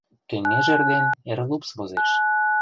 Кеҥеж эрден эр лупс возеш